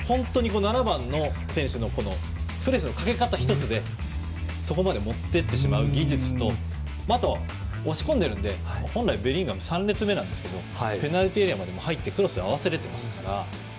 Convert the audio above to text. ７番の選手のプレスのかけ方１つでそこまで持っていく技術とあと押し込んでいるので本来ベリンガムは３列目ですがペナルティーエリアまで入ってクロスに合わせていますから。